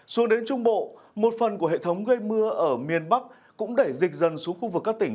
xuống đến trung bộ một phần của hệ thống gây mưa ở miền bắc cũng đẩy dịch dần xuống khu vực các tỉnh